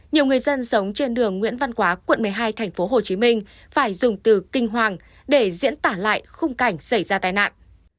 nhiều người dân sống trên đường nguyễn văn quá quận một mươi hai tp hcm phải dùng từ kinh hoàng để diễn tả lại khung cảnh xảy ra tai nạn